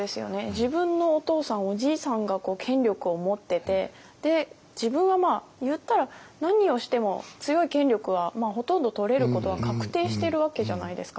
自分のお父さんおじいさんが権力を持ってて自分はまあ言ったら何をしても強い権力はほとんど取れることは確定してるわけじゃないですか。